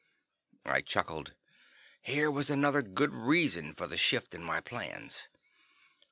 I chuckled. Here was another good reason for the shift in my plans.